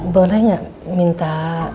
boleh gak minta